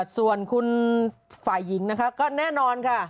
ส่วนคุณฝ่ายหญิงนะคะก็แน่นอนค่ะ